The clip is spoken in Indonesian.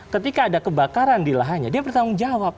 ketika ada kebakaran di lahannya dia bertanggung jawab